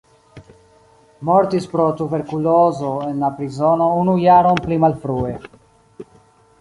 Mortis pro tuberkulozo en la prizono unu jaron pli malfrue.